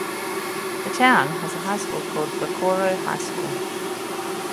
The town has a high school called Bokoro High School.